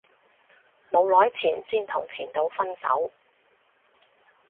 冇耐前先同前度分手